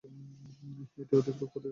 এটি অধিক রোগ প্রতিরোধ ক্ষমতা সম্পন্ন।